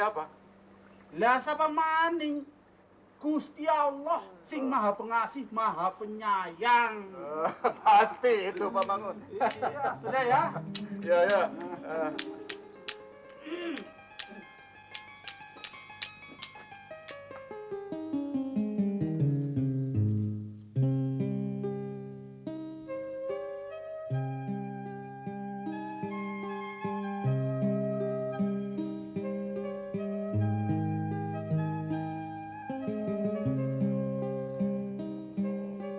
becing siapa lasa pemaning gusti allah sing maha pengasih maha penyayang pasti itu pak bangun ya